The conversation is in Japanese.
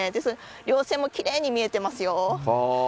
りょう線もきれいに見えてますよ。